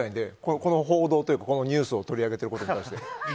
この報道というか、ニュースを取り上げていることに対して。